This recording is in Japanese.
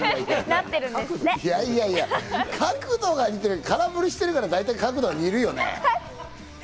いやいやいや、角度が似てるって、空振りしてるから、大体角度は似るよね。